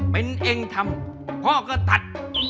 เป็นเองทำพ่อก็ตัด